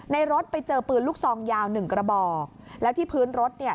รถไปเจอปืนลูกซองยาวหนึ่งกระบอกแล้วที่พื้นรถเนี่ย